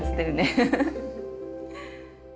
フフフッ。